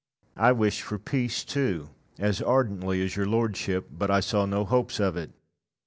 I wished for peace too, as ardently as your lordship, but I saw no hopes of it.